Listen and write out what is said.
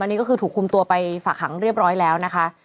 อันนี้ก็คือถูกคุมตัวไปฝากหังเรียบร้อยแล้วนะคะ